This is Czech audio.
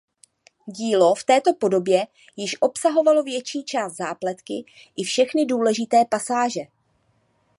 Dílo v této podobě již obsahovalo větší část zápletky i všechny důležité pasáže.